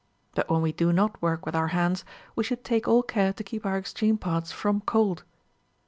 But when we do not work with our hands, we shoukl take all care to keep our extreme parts from cold.